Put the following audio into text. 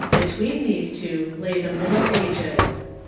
Between these two lay the Middle Ages.